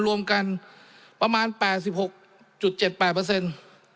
รวมกันประมาณ๘๖๗๘เปอร์เซ็นต์